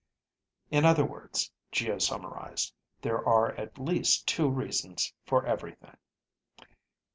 "In other words," Geo summarized, "there are at least two reasons for everything."